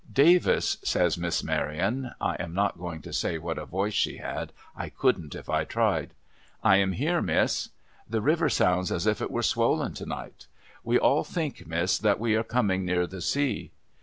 'Davis I' says Miss Maryon. (I am not going to say what a voice she had. I couldn't if I tried.) ' I am here. Miss.' 'The river sounds as if it were swollen to night.' • We all think, Miss, that we are coming near the sea.'